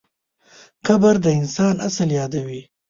قبر د انسان اصل یادوي.